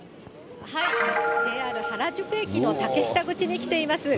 ＪＲ原宿駅の竹下口に来ています。